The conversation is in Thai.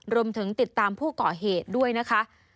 รวมถึงติดตามผู้ก่อเหตุด้วยนะคะ